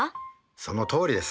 そのとおりです。